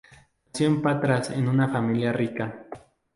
Nació en Patras en una familia rica.